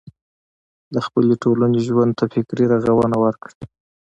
د خپلې ټولنې ژوند ته فکري روغونه ورکړي.